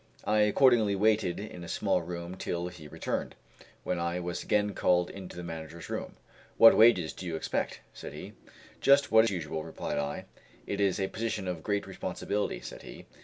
I accordingly waited in a small room till he returned, when I was again called into the manager's room. "What wages do you expect?" said he. "Just what is usual," replied I. "It is a position of great responsibility," said he.